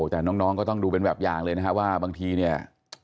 แต่น้องก็ต้องดูเป็นแบบอย่างเลยนะฮะว่าบางทีเนี่ย